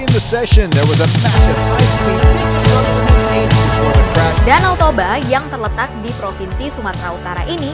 danau toba yang terletak di provinsi sumatera utara ini